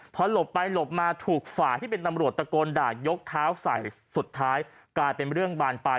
พอหลบไปหลบมาถูกฝ่ายที่เป็นตำรวจตะโกนด่ายกเท้าใส่สุดท้ายกลายเป็นเรื่องบานปลาย